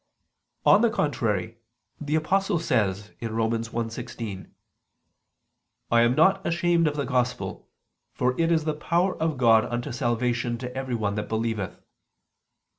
On the contrary, The Apostle says (Rom. 1:16): "I am not ashamed of the Gospel: for it is the power of God unto salvation to everyone that believeth."